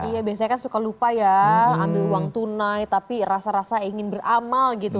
iya biasanya kan suka lupa ya ambil uang tunai tapi rasa rasa ingin beramal gitu